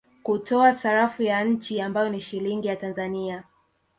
Kutoa sarafu ya nchi ambayo ni Shilingi ya Tanzania